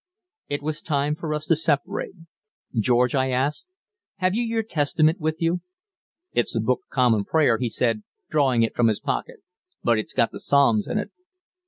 It was time for us to separate. "George," I asked, "have you your Testament with you?" "It's the Book of Common Prayer," he said, drawing it from his pocket; "but it's got the Psalms in it."